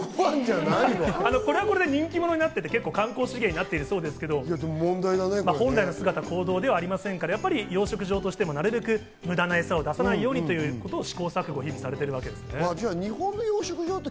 人気者になっていて観光資源になってるそうですけど、本来の姿、行動ではありませんので、養殖場としてもなるべく無駄なエサを出さないように試行錯誤されているそうです。